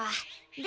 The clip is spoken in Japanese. で